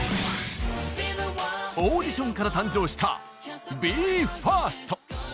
オーディションから誕生したＢＥ：ＦＩＲＳＴ。